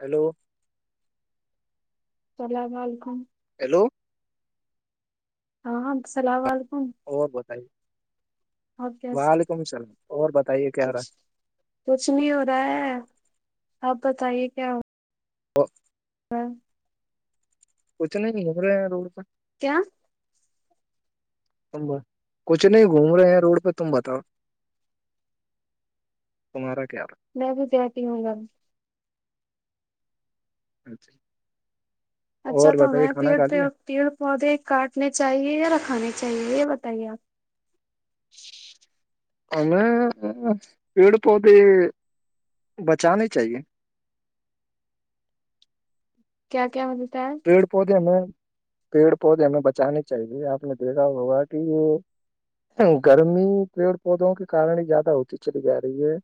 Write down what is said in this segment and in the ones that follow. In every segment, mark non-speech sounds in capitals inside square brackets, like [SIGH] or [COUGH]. Hello اللام علیکم [INAUDIBLE] hello ہاں ہاں السلام علیکم اور بتائیے اور کیسے وعلیکم السلام اور بتائیے کیا کچھ رہا کچھ نہیں ہو رہا ہے آپ بتائیے کیا ہو تو [INAUDIBLE] [INAUDIBLE] [INAUDIBLE] کچھ نہیں ہےلے روڈ پر [INAUDIBLE] کیا کچھ نہیں گھوم رہے ہیں روڈ پہ تم بتاؤ تمارہ کیا رہ [INAUDIBLE] میں بھی بیٹھی ہوں گا اچھا اور اچھا تو بتائیے ہمیں کھانا پیڑ کھا پ لیا پیڑ پودے کاٹنے چاہیے یا رکھانے چاہیے یہ بتائیے آپ امییں پیڑ پودے بچانے چاہیے کیا کیا ہوولتا [INAUDIBLE] پیڑ پودے ہمیں پیڑ پودے ہمیں بچانے چاہیے آپ نے دیکھا ہوگا کہ یہ گرمی پیڑ پودوں کے کارن زیادہ ہوتی چلی جا رہی ہے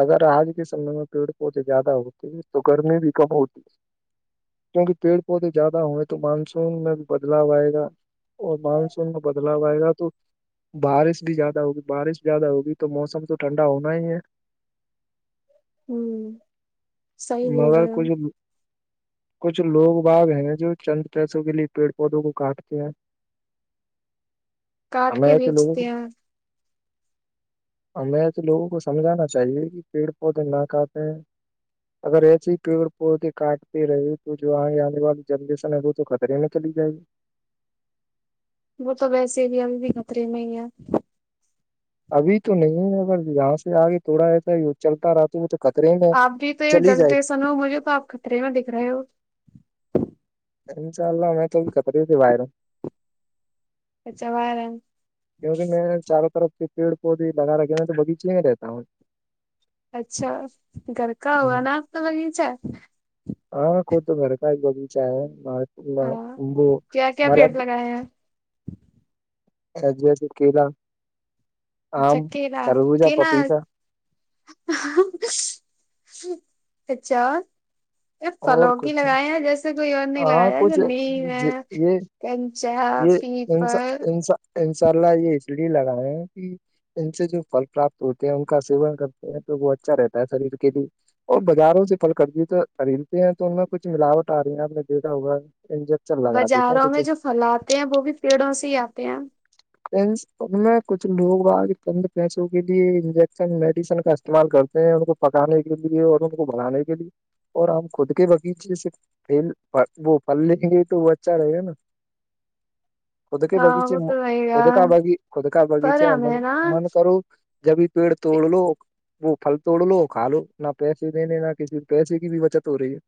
اگر آج کے سمے میں پیڑ پودے زیادہ ہوتے تو گرمی بھی کم ہوتی ہے کیونکہ پیڑ پودے زیادہ ہوئے تو مانسون میں بھی بدلاو آئے گا اور مانسون میں بدلاؤ آئے گا تو بارش بھی زیادہ ہوگی بارش زیادہ ہوگی تو موسم تو ٹھنڈا ہونا ہی ہے ہوں صحیح بول مگر رہے ہو کچھ کچھ لوگ باگ ہے جو چند پیسوں کے لیے پیڑ پودوں کو کاٹتے ہیں کاٹ ہمیں کے ایسے لوگوں کو بیچتے [INAUDIBLE] [INAUDIBLE] ہمیں تو لوگوں کو سمجھانا چاہیے کہ پیڑ پودے نہ کھاتے ہیں اگر ایسے ہی پیڑ پودے کاٹتے رہی تو جو آج والی جنریشن ہے وہ تو خطرے میں چلی جائے گی وہ تو ویسے ہی بھی ابھی بھی خطرے میں ہی ہے ابھی تو نہیں ہے اگر یہاں سے آگے تھوڑا ایسا چلتا رہتا ہو تو کترے میں چلی جائے سنو مجھے تو آپ خطرے میں دکھ رہے ہو انشاء اللہ میں تو ابھی خطرے سے باہر ہوں ا چ وارن [INAUDIBLE] کیوںکہ میں چاروں طرف سے پیڑ پودے لگا رکھے میں تو بغیچے میں ہی رہتا ہوں اچھا گھر کا ہوا ہوں۔ نا آپ کا بگیچہ ہاں کو تو گھر کا ہی ببی چ ہے ہاں م [INAUDIBLE] کیا [INAUDIBLE] [INAUDIBLE] سجج کیلا اچھا آم کیلا کرربوجہ کیلا پپیتا اچھا یہ اور پھلوں کی کچھ لگائے ہیں جیسے کوئی اور نہیں ہاں لگایا جو کچھ نہیں ہے ج- یہ کنچا یہ انسا پیپر انسا انشاء اللہ یہ اس لیے لگائے ہیں کہ ان سے جو پھل پراپت ہوتے ہیں ان کا سیون کرتے ہیں تو وہ اچھا رہتا ہے شریر کے لیے اور بازاروں سے پھل خریدتے ہیں تو ان میں کچھ ملاوٹ آ رہی ہے آپ نے دیکھا ہوگا جب بازاروں میں جو پھل آتے ہیں وہ بھی پیڑوں سے ہی آتے ہیں فرینڈز ان کچھ لوگ آگے چند پیسوں کے لیے انجیکشن میڈیسن کا استعمال کرتے ہیں ان کو پکانے کے لیے اور ان کو بڑھانے کے لیے اور ہم خود کے باغیچے سے وہ پھل لیں گے تو وہ اچھا رہے گا نا خود کے ہاں بگیچے وہ تو رہے خود گا کا خود کا پر بگیچہ ہے ہمیں نا من کرو جبھی پیڑ توڑ لو وہ پھل توڑ لو کھا لو نہ پیسے دینے نہ کسی پیسے کی بھی بچت ہو رہی ہے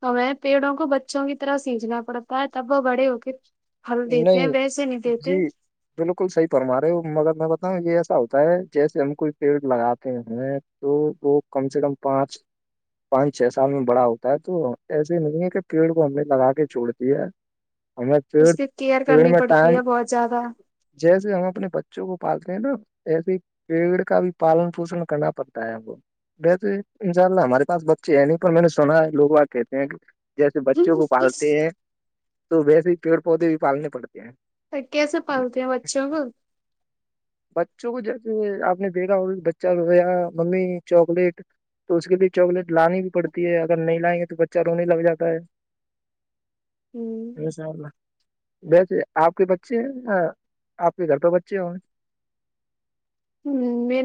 تو ہمیں پیڑوں کو بچوں کی طرح سینچھنا پڑتا ہے تب وہ بڑے ہوتے ہو کے پھل ہے دیتے ہیں نہیں ویسے نہیں دیتے جی بالکل صحیح فرما رہے ہو مگر میں بتاؤں یہ ایسا ہوتا ہے جیسے ہم کوئی پیڈ لگاتے ہیں تو وہ کم سے کم پانچ پانچ چھ سال میں بڑا ہوتا ہے تو ایسے نہیں ہے کہ پیڑ کو ہم نے لگا کے چھوڑ دی ہے ہمیں اس پیڑ کی کیئر پیڑ کرنی میں ٹائم پڑتی ہے بہت زیاد جیسے ہم اپنے بچوں کو پالتے ہیں نا ایسے ہی پیڑ کا بھی پالن پوشن کرنا پڑتا ہے وہ جیسے ان شاء اللہ ہمارے پاس بچے ہیں نہیں پر میں نے سنا ہے لوگ کہتے ہیں کہ جیسے بچوں کو پالتے ہیں تو ویسے پیڑ پودے بھی پالنے پڑتے ہیں تو کیسے پالتے ہیں بچوں کو بچوں کو جیسے آپ نے دیکھا اور بچہ رویا ممی چاکلیٹ تو اس کے لیے چاکلیٹ لانی بھی پڑتی ہے اگر نہیں لائیں گے تو بچہ رونے لگ جاتا ہے ہوں انشاء اللہ ویسے آپ کے بچے ہیں آپ کے گھر پہ بچے ہوں گے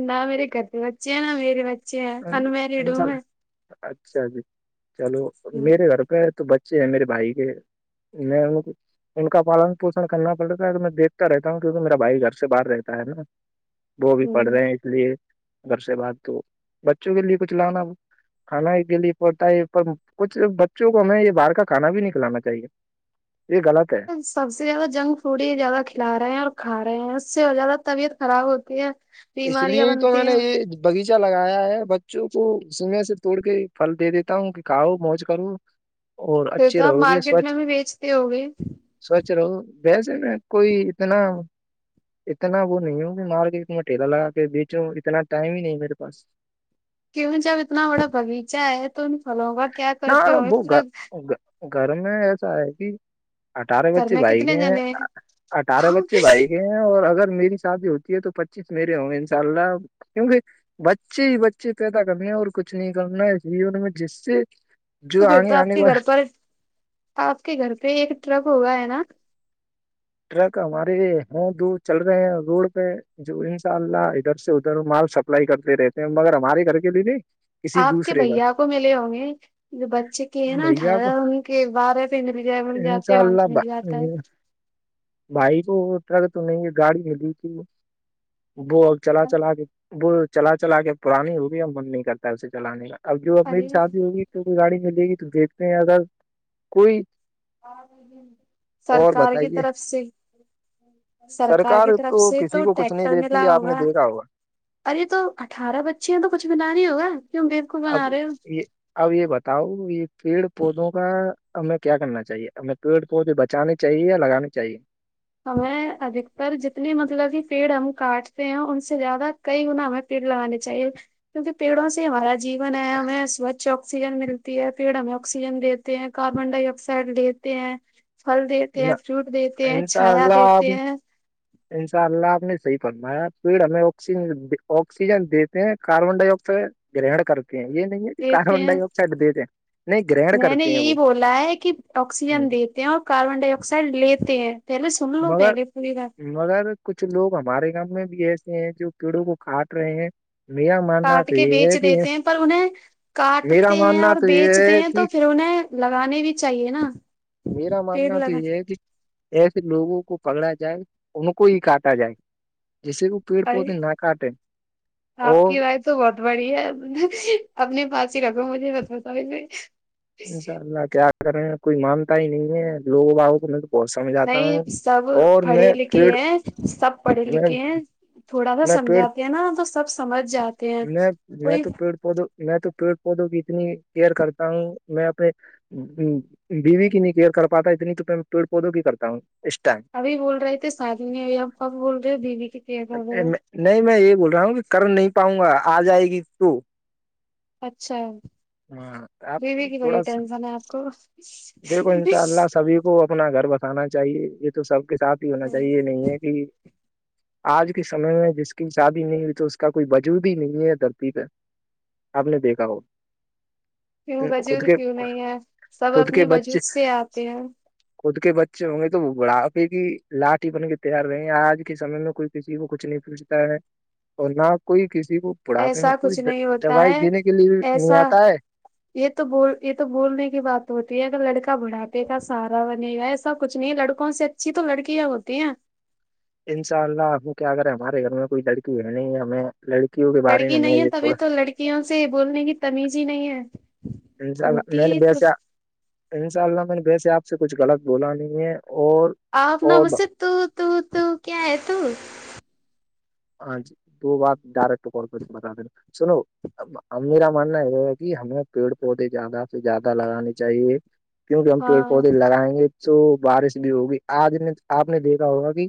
نہ میرے گھر پہ بچے ہیں نا میرے بچے ہیں انمیرڈ ہوں انشاءاللہ میں اچھا جی چلو ہوں میرے گھر پہ تو بچے ہے میرے بھائی کے میں ان کا پالن پوشن کرنا پڑتا ہے تو میں دیکھتا رہتا ہوں کیونکہ میرا بھائی گھر سے باہر رہتا ہے نا وہ بھی ہوں، پڑھ رہے ہیں اس لیے گھر سے باہر تو بچوں کے لیے کچھ لانا کھانا کے لیے پڑتا ہے پر کچھ بچوں کو ہمیں یہ باہر کا کھانا بھی نہیں کھلانا چاہیے یہ غلط ہے سب سے زیادہ جنک فوڈ ہی زیادہ کھلا رہے ہیں اور کھا رہے ہیں اس سے زیادہ طبیعت خراب ہوتی ہے اس لیے بیماریاں ہی تو بنتی میں نے ہیں یہ بغیچہ لگایا ہے بچوں کو سمے سے توڑ کے پھل دے دیتا ہوں کہ کھاؤ موج کرو اور پھر اچھے تو آپ مارکیٹ میں بھی بیچتے ہو گے سوچ رہا ہوں ویسے میں کوئی اتنا اتنا وہ نہیں ہوں کہ مارکیٹ میں ٹیلا لگا کے بیچو اتنا ٹائم ہی نہیں میرے پاس کیوں جب اتنا بڑا بغیچہ ہے تو ان پھلوں کا کیا نہ کرتے ہوں گے وہ پورا گھر گھر میں ایسا ہے کہ اٹھارہ گھر بچے میں بھائی کے کتنے ہیں جنے اٹھارہ بچے بھائی کے ہیں اور اگر میری شادی ہوتی ہے تو پچیس میرے ہوں گے انشاء اللہ کیونکہ بچے ہی بچے پیدا کرنے اور کچھ نہیں کرنا ہے جیون میں جس سے جو آنی آنے اب آپ کے گھر پہ ایک ٹرک ہوگا ہے نا ٹرک ہمارے ہے دو چل رہے ہیں روڈ پہ جو انشاء اللہ ادھر سے ادھر مال سپلائی کرتے رہتے مگر ہمارے گھر کے بھی آپ کے بھیا کو ملے ہوں گے جو بچے کیے ہیں نا بھیا اٹھارہ ان کے بارہ پہ مل جائے مل جاتے انشاء اللہ مل بھا- جاتا ہے ام، بھائی کو ٹرک تو نہیں گاڑی ملی تھی وہ چلا چلا کے وہ چلا چلا کے پرانی ہوگی اور من نہیں کرتا اسے چلانے کا اب جو اپنی ارے شادی ہوگی گاڑی ملے گی تو دیکھتے ہیں اگر کوئی اور سرکار کے بتائیے طرف سے سرکار کی طرف سے کسی تو کو کچھ نہیں ٹریکٹر دیتی ملا آپ نے ہوگا دیکھا ارے تو اٹھارہ بچے ہیں تو کچھ ملا نہیں ہوگا کیونکہ اب یہ اب یہ بتاؤ یہ پیڑ پودوں کا ہمیں کیا کرنا چاہیے ہمیں پیڑ پودے بچانی چاہیے یا لگانی چاہیے ہمیں ادھکتر جتنے مطلب کہ پیڑ ہم کاٹتے ہیں ان سے زیادہ کئی گنا ہمیں پیڑ لگانے چاہیے کیونکہ پیڑوں سے ہمارا جیون ہے ہمیں سوچھ آکسیجن ملتی ہے پیڑ ہمیں آکسیجن دیتے ہیں کاربن ڈائی آکسائڈ لیتے ہیں پھل دیتے ہیں فروٹ دیتے ہیں چھایا انشاءاللہ اپ دیتے نے [INAUDIBLE] انشاء اللہ آپ نے صحیح فرمایا پیڑ ہمیں آکسیجن دیتے ہیں کاربن ڈائی آکسائڈ گرہنڈ کر کے یہ نہیں ہے کہ دیتے کاربن ہیں ڈائی آکسائڈ دے دیں میں نے یہی بولا ہے کہ ہوں، آکسیجن دیتے ہیں اور کاربن ڈائی آکسائڈ لیتے ہیں پہلے سن لو مگر پہلے پوری بات مگر کچھ لوگ ہمارے گاؤں میں بھی ایسے ہیں جو پیڑوں کو کاٹ رہے ہیں میرا ماننا کاٹ تو کے یہ ہے بیچ کہ دیتے ہیں پر انہیں میرا کاٹتے ہیں ماننا اور تو یہ بیچتے ہے ہیں کہ تو پھر انہیں لگانے بھی چاہیے نا میرا پیڑ ماننا تو لگا یہ ہے کہ ایسے لوگوں کو پکڑا جائے ان کو ہی کاٹا جائے جسے وہ پیڑ ارے پودے نہ کاٹے آپ اور کی رائے تو بہت بڑی ہے اپنے پاس ہی رکھو مجھے بس بتاؤ میں انشاء اللہ کیا کر رہے ہیں کوئی مانتا ہی نہیں ہے لوگوں بہت سمجھاتا ہوں نہیں سب اور پڑھے میں پیڑ لکھے ہیں سب پڑھے میں لکھے ہیں تھوڑا سا میں پیڑ سمجھاتے ہیں نا تو سب سمجھ جاتے ہیں میں میں کوئی تو پیڑ پودوں میں تو پیڑ پودوں کی اتنی کیئر کرتا ہوں میں اپنے بیوی کی نہیں کیئر کر پاتا اتنی تو میں پیڑ پودوں کی کرتا ہوں اس ٹائم ابھی بول رہے تھے شادی نہیں ہوئی اب بول رہے ہو بیوی کی کیئر کر رہے ہو ٹائم نہیں میں یہ بول رہا ہوں کہ کر نہیں پاؤں گا آ جائے گی تو اچھا ہاں آپ بیوی کی بڑی تھوڑا سا ٹینشن ہے آپ کو دیکھو ان شاء اللہ سبھی کو اپنا گھر بتانا چاہیے یہ تو سب کے ساتھ ہی ہونا ہوں، چاہیے یہ نہیں ہے کہ [UNINTELLIGIBLE] آج کے سمے میں جس کی شادی نہیں ہوئی تو اس کا کوئی وجوود ہی نہیں ہے دھرتی پہ آپ نے دیکھا ہو [UNINTELLIGIBLE] کیوں خود وجود کے کیوں نہیں ہے سب خود کے اپنے بچے وجود سے آتے ہیں خود کے بچے ہوں گے تو وہ بڑھاپے کی لاٹھی بن کے تیار رہیں گ آج کے سمے میں کوئی کسی کو کچھ نہیں پوچھتا ہے اور نہ کوئی کسی کو بڑھاپے میں ایسا کوئی کچھ نہیں ہوتا دوائی ہے دینے کے لیے بھی نہیں ایسا آتا ہے یہ تو بول یہ تو بولنے کی بات ہوتی ہے اگر لڑکا بڑاپے کا سارا بنے گا سب کچھ نہیں ہے لڑکوں سے اچھی تو لڑکیا ہوتی ہیں [UNINTELLIGIBLE] انشاء اللہ ہم کیا کرے ہیں ہمارے گھر میں کوئی لڑکی بھی نہیں ہے ہمیں لڑکیوں کے بارے میں تھوڑا وں سے بولنے کی تمیز ہی نہیں ہے انشاء اللہ ہوتی میں نے ہے تو بیس [UNINTELLIGIBLE] ان شاء اللہ میں نے ویسے آپ سے کچھ غلط بولا نہیں ہے اور آپ اور نمس سے تو تو کیا ہے تو [UNINTELLIGIBLE] ہاں جی دو بات ڈائریکٹ کال کر بتا دین سنو ب میرا ماننا یہ ہے کہ ہمیں پیڑ پودے زیادہ سے زیادہ لگانے چاہیے کیونکہ ہم پیڑ ہاں پودے لگائیں گے تو بارش بھی ہوگی آج نے آپ نے دیکھا ہوگا کہ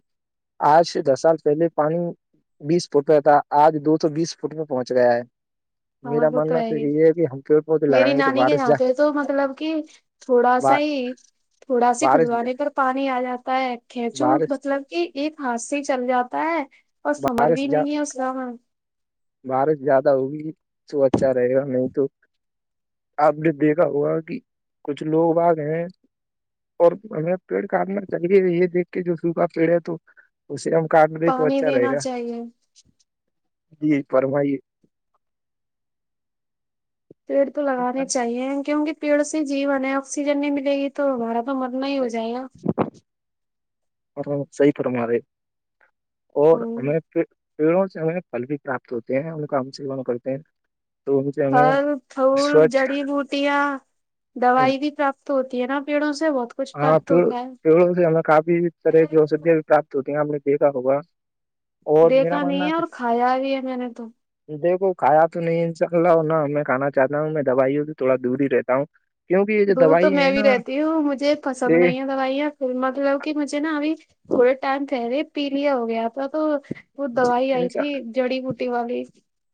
آج دس سال پہلے پانی بیس فٹ پ تھا آج دو سو بیس فٹ میں پہنچ گیا ہے ہاں میرا وہ تو ماننا ہے ہی یہ کہ ہم پیڑ پودے میری لگائیں گے تو نانی کے بارش جا ناتتے تو مطلب کہ تھوڑا سا ہی تھوڑا سا بارش کھدوانے پر پانی آ جاتا ہے کھینچو بارش مطلب کہ ایک ہاتھ سے چل جاتا ہے اور سمر بارش بھی جا نہیں ہے اس کا ہ بارش زیادہ ہوگی تو اچھا رہے گا نہیں تو آپ نے دیکھا ہوا کہ کچھ لوگ آ گئے ہیں اور ہمیں پیڑ کادنا چاہیے یہ دیک کے جو سوکھا پیڑ ہے تو اسے ہم کاٹ ل تو پانی اچھا رہے دینا گا چاہیے جی فرمائیے پیڑ تو لگانے چاہیے کیونک پیڑ سے جیون ہے آکسیجن نہیں ملے گی تو ہمارا تو من اور صحی فرمارے [UNINTELLIGIBLE] اور ہوں ہمیں پیڑوں سے ہمیں پھل بھی پراپت ہوتے ہیں ان کا ہم سےون کرتے ہیں تو ان سے ہمیں پل پول سوچھ جڑی بوٹیا دوائی بھی پراپت تو ہوتی ہے نا پیڑوں سے بہت کچھ ہاں پ پراپت ہوتا پڑوں سے ہمیں کافی طرح ہے کی ادیا بھی پراپت ہوتی ہیں آپ نے دیکھا ہوگا اور میرا دیکھا نہیں ماننا ہے اور کھایا بھی ہے میں نے تو دیکھو کھایا تو نہیں انساء اللہ ہو ن میں کانا چاہتا ہوں میں دوائیوں بھی تھوڑا دور ہی رہتا ہوں کیونکہ یہ جو دور تو دوائی میں ہے بھی نا رہتی ہوں مجھے پسند یہ نہیں ہے دوائیاں پ مطلب کہ مجھے نا ابھی تھوڑے ٹائم کہہ رہے پی لیا ہو گیا تھا تو [UNINTELLIGIBLE] وہ دوائی آئی تھی انسان جڑی بوٹی والی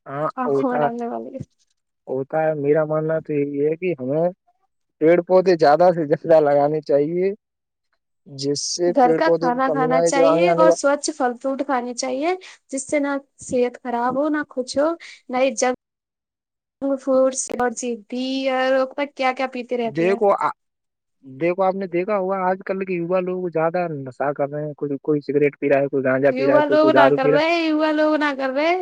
ہاں آنکھوں ہوتا میں ہے ڈالنے والی ہوتا ہے میرا ماننا تو یہ کہ ہمیں پیڑ پودے زیادہ سے زیادہ لگانے چاہیے جس سے پیڑ پودوں کی کمی نہ ہے جو آگے آنے وال اچ فھل فروٹ کھانی چاہیے [UNINTELLIGIBLE] جس سے نہ صحت خراب ہو نہ کچھ ہو نہ ہی جگ ف بھی اور کیا کیا پیتا [UNINTELLIGIBLE] جے کو آ [UNINTELLIGIBLE] دیکھو آپ نے دیکھا ہوگا آج کل کے یوا لوگ لوگ زیادہ نشا کر رہے ہیں کوئی سگریٹ [INAUDIBLE] یوا لوگ کوئی نہ دارو کر پی رہا رہے ہے یوا لوگ نہ کر رہے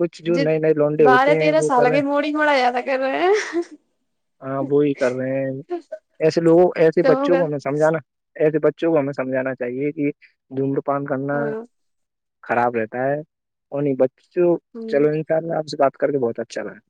کچھ جو نئے نئے لونڈے بارہ ہوتے ہیں تیرہ وہ کر سال رہے کے موڑی موڑا زیادہ کر رہے ہیں ہاں وہی کر رہے ہیں ایسے لوگوں ایسے تو بچوں کو ہمیں سمجھنا ایسے بچوں کو ہمیں سمجھانا چاہیے کہ دھومر پان کرنا ہاں خراب رہتا ہے اور نہیں بچوں ہ چلو انشاء اللہ آپ سے بات کر کے بہت اچھا لگا